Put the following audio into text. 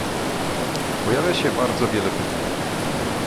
Pojawia się bardzo wiele pytań